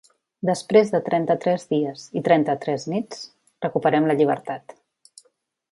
Després de trenta-tres dies i trenta-tres nits recuperem la llibertat.